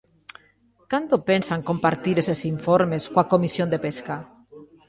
¿Cando pensan compartir eses informes coa Comisión de Pesca?